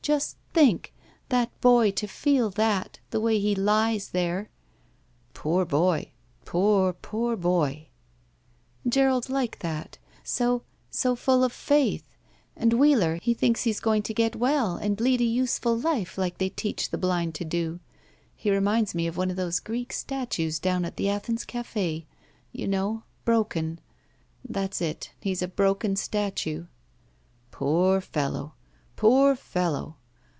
just think! that boy to feel that, the way he Kes there!" "Poor boy! Poor, poor boy!" 7 91 ti BACK PAY "Gerald's like that. So— to ftill of faith. And, Wheeler, he thinks he's going to get well and lead a useful life like they teach the blind to do. He reminds me of one of those Greek statues down at the Athens Caf6. You know — ^broken. That's it; he's a broken statue." Poor fellow! Poor fellow!